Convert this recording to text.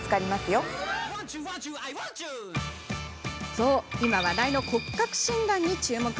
そう、今、話題の骨格診断に注目。